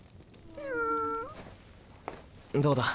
どうだ？